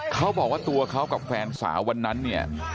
เขาบอกว่าตัวเขากับแฟนสาววันนั้นเนี่ย